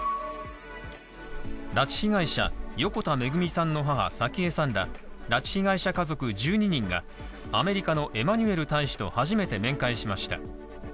拉致被害者横田めぐみさんの母・早紀江さんら、拉致被害者家族１２人がアメリカのエマニュエル大使と初めて面会しました。